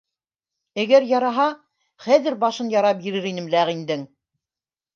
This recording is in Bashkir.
— Әгәр яраһа, хәҙер башын яра бирер инем ләғиндең!